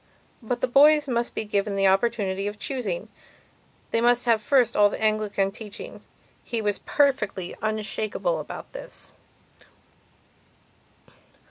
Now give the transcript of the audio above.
But the boys must be given the opportunity of choosingand they must have first of all the Anglican teaching. He was perfectly unshakable about this.